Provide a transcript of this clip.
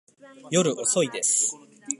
夜遅いです。